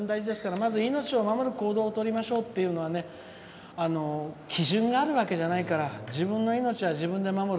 まず命を守る行動をとりましょうっていうのはね基準があるわけじゃないから自分の命は自分で守る。